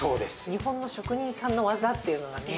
日本の職人さんの技っていうのがね。